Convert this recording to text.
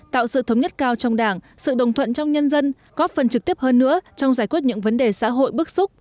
tạo sự thống nhất cao trong đảng sự đồng thuận trong nhân dân góp phần trực tiếp hơn nữa trong giải quyết những vấn đề xã hội bức xúc